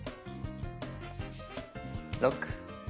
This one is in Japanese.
６！